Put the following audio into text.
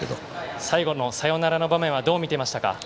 最後のサヨナラの場面はどう見ていましたか？